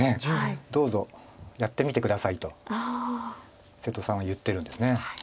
「どうぞやってみて下さい」と瀬戸さんは言ってるんです。